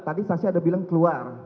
tadi saksi ada bilang keluar